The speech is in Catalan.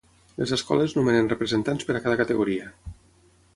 Les escoles nomenen representants per a cada categoria.